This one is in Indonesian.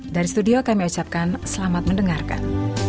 dari studio kami ucapkan selamat mendengarkan